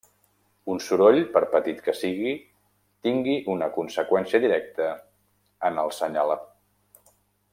Un soroll, per petit que sigui, tingui una conseqüència directa en el senyal.